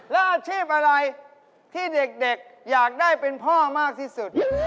แล้วอาชีพอะไรที่เด็กอยากได้เป็นพ่อมากที่สุด